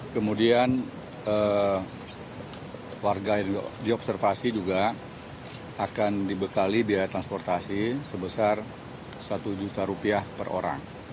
kemudian warga yang diobservasi juga akan dibekali biaya transportasi sebesar satu juta rupiah per orang